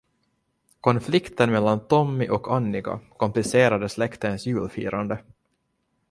Konflikten mellan Tommy och Annika komplicerade släktens julfirande.